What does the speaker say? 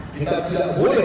kita tidak boleh kalah